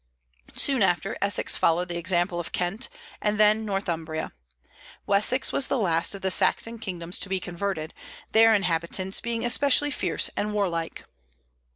Soon after, Essex followed the example of Kent; and then Northumbria. Wessex was the last of the Saxon kingdoms to be converted, their inhabitants being especially fierce and warlike.